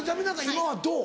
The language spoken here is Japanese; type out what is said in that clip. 今はどう？